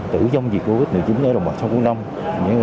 tử vong vì covid một mươi chín ở đồng bằng sông cú nông